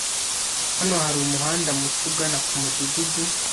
Hano hari umuhanda muto ugana kumudugudu.